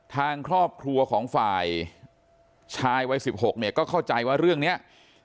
ทางครอบครัวของฝ่ายชายวัย๑๖เนี่ยก็เข้าใจว่าเรื่องนี้